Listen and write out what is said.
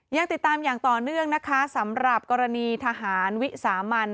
ยังติดตามอย่างต่อเนื่องนะคะสำหรับกรณีทหารวิสามัน